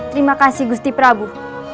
terima kasih busti prabu